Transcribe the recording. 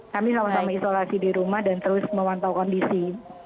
kami sama sama isolasi di rumah dan terus memantau kondisi